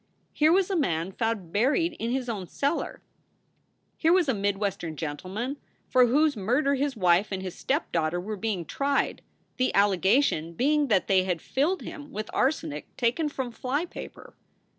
Here was a man found buried in his own cellar; fcere was a SOULS FOR SAVE 103 mid Western gentleman for whose murder his wife and his stepdaughter were being tried, the allegation being that they had filled him with arsenic taken from fly paper.